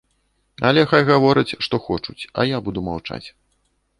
Але хай гавораць, што хочуць, а я буду маўчаць.